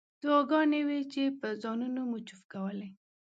دعاګانې وې چې په ځانونو مو چوف کولې.